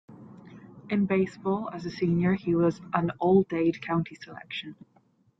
In baseball, as a senior, he was an All-Dade County selection.